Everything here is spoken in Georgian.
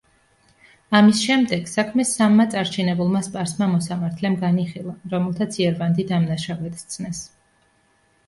ამის შემდეგ, საქმე სამმა წარჩინებულმა სპარსმა მოსამართლემ განიხილა, რომელთაც იერვანდი დამნაშავედ სცნეს.